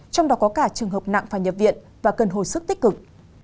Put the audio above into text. trong đó có cả trường hợp nặng phải nhập viện và cần hồi sức tích cực